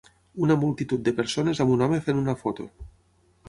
Una multitud de persones amb un home fent una foto.